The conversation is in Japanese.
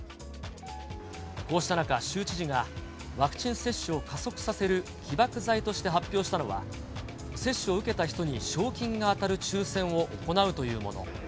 こうした中、州知事が、ワクチン接種を加速させる起爆剤として発表したのは、接種を受けた人に賞金が当たる抽せんを行うというもの。